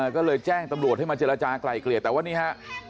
ก็เลยแจ้งตำรวจให้มาเจรจากลายเกลี่ยแต่ว่านี่ฮะ